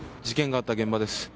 事件があった現場です。